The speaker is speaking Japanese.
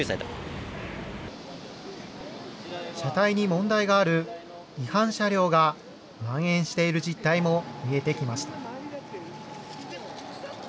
問題がある違反車両がまん延している実態も見えてきました。